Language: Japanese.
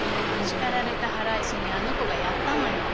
叱られた腹いせにあの子がやったのよ。